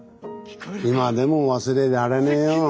今でも忘れられねえよ。